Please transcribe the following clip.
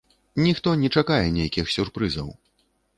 Ніхто не чакае нейкіх сюрпрызаў.